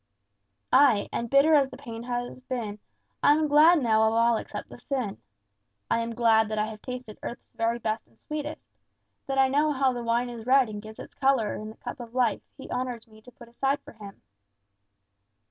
"Ay, and bitter as the pain has been, I am glad now of all except the sin. I am glad that I have tasted earth's very best and sweetest; that I know how the wine is red and gives its colour in the cup of life he honours me to put aside for him."